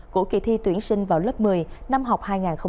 của kỳ thi tuyển sinh vào lớp một mươi năm học hai nghìn hai mươi ba